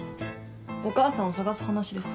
お母さんを捜す話です。